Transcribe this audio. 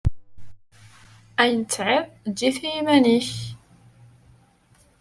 Ayen i tesɛiḍ, eǧǧ-it i yiman-ik.